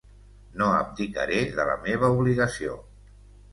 No abdicaré de la meva obligació